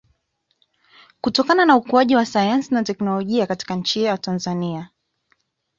kutokana na ukuaji wa sayansi na technolojia katika nchi yetu ya Tanzania